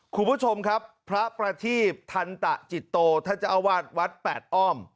คุณผู้ชมครับพระประทีพทันตะจิตโตท่านเจ้าอาวาสวัดแปดอ้อม